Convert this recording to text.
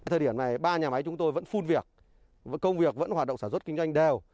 thời điểm này ba nhà máy chúng tôi vẫn phun việc công việc vẫn hoạt động sản xuất kinh doanh đều